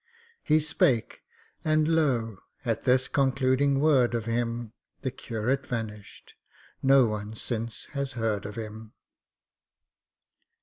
He spake, and lo! at this concluding word of him, The curate vanished—no one since has heard of him.